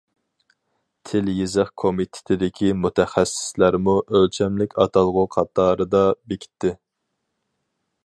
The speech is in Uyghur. تىل-يېزىق كومىتېتىدىكى مۇتەخەسسىسلەرمۇ ئۆلچەملىك ئاتالغۇ قاتارىدا بېكىتتى.